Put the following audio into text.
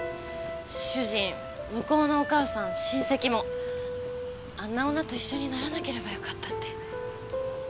主人向こうのお義母さん親せきもあんな女と一緒にならなければよかったって。